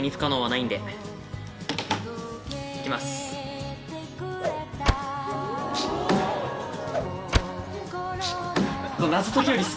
いきます。